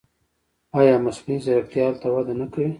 آیا مصنوعي ځیرکتیا هلته وده نه کوي؟